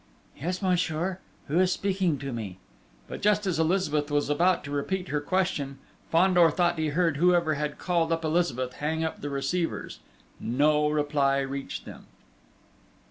"Yes, monsieur. Who is speaking to me?" But just as Elizabeth was about to repeat her question, Fandor thought he heard whoever had called up Elizabeth, hang up the receivers. No reply reached them!...